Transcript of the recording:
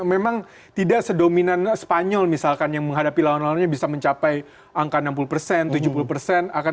memang tidak sedominan spanyol misalkan yang menghadapi lawan lawannya bisa mencapai angka enam puluh persen tujuh puluh persen